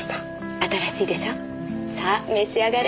新しいでしょ？さあ召し上がれ。